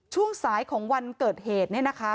ช่วงสายของวันเกิดเหตุเนี่ยนะคะ